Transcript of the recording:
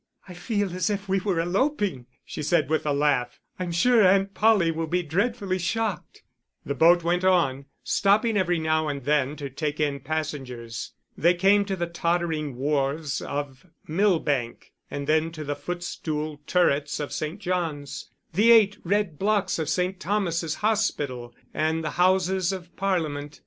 "I feel as if we were eloping," she said, with a laugh; "I'm sure Aunt Polly will be dreadfully shocked." The boat went on, stopping every now and then to take in passengers. They came to the tottering wharves of Millbank, and then to the footstool turrets of St. John's, the eight red blocks of St. Thomas's Hospital, and the Houses of Parliament.